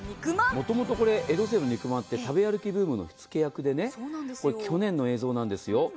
もともと江戸清の肉まんは食べ歩きブームの火付け役で去年の映像なんですよ。